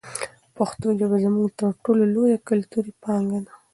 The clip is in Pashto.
پښتو زموږ تر ټولو لویه کلتوري پانګه ده.